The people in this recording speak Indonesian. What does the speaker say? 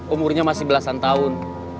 umurnya masih belasan tahun